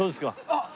あっ！